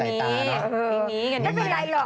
ไม่มีไม่มีไม่เป็นไรหรอก